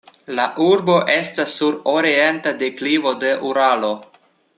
La urbo estas sur orienta deklivo de Uralo.